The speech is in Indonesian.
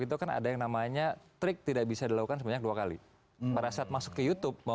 itu kan ada yang namanya trik tidak bisa dilakukan sebanyak dua kali pada saat masuk ke youtube